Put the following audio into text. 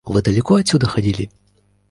Вы далеко отсюда ходили?